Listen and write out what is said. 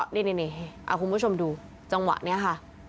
นี่คุณผู้ชมดูจังหวะนี้ค่ะ